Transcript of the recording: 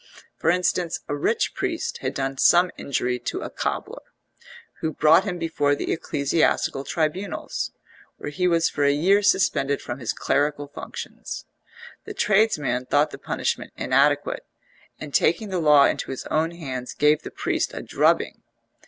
For instance: a rich priest had done some injury to a cobbler, who brought him before the ecclesiastical tribunals, where he was for a year suspended from his clerical functions. The tradesman thought the punishment inadequate, and taking the law into his own hands gave the priest a drubbing.